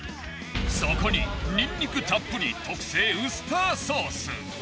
そこにニンニクたっぷり特製ウスターソース。